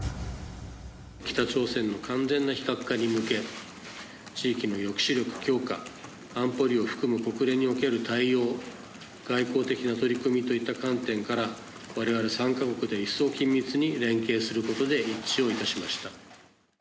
北朝鮮の完全な非核化に向け、地域の抑止力強化、安保理を含む国連における対応、外交的な取り組みといった観点から、われわれ３か国で一層緊密に連携することで一致をいたしました。